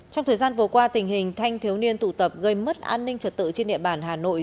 trong thời gian vừa qua tình hình thanh thiếu niên tụ tập gây mất an ninh trật tự trên địa bàn hà nội